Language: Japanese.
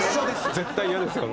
絶対イヤですよね。